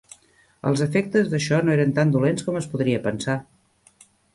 Els efectes d'això no eren tan dolents com es podria pensar